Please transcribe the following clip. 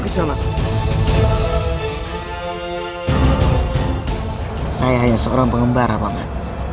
saya hanya seorang pengembara pak man